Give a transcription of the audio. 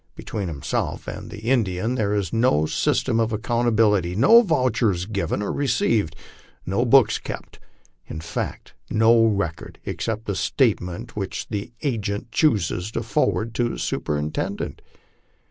Between himself and the Indian there is no system of accountability, no vouchers given or received, no books kept, in fact no record except the statement which the agent chooses to forward to his superintendent.